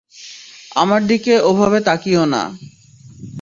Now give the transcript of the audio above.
আমার দিকে ওভাবে তাকিয়ো না।